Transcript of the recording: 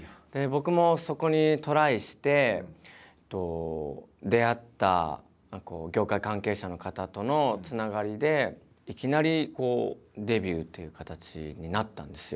僕もそこにトライして出会った業界関係者の方とのつながりでいきなりデビューっていう形になったんですよ。